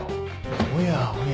おやおや